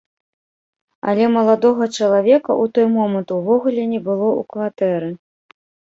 Але маладога чалавека ў той момант увогуле не было ў кватэры.